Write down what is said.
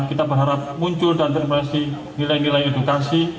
kita berharap muncul dan terpaksa nilai nilai edukasi